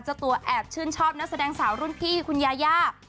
เจ้าตัวแอบชื่นชอบนักแสดงสาวรุ่นพี่คุณยาย่า